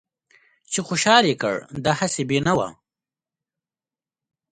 چې خوشحال يې کړ دا هسې بې نوا